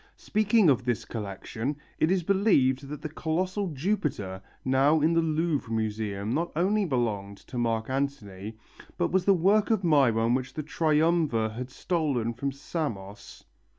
Speaking of this collection, it is believed that the colossal Jupiter now in the Louvre Museum not only belonged to Mark Antony, but was the work of Myron which the Triumvir had stolen from Samos.